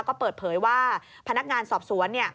ก็เปิดเผยว่าพนักงานสอบสวน